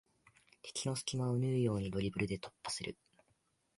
敵の隙間を縫うようにドリブルで突破する